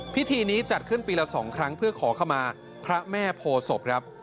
พิธีนี้จัดขึ้นปีละ๒ครั้งเพื่อขอขมาพระแม่โพศพครับ